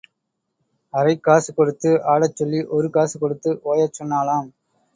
அரைக் காசு கொடுத்து ஆடச் சொல்லி, ஒரு காசு கொடுத்து ஓயச் சொன்னாளாம்.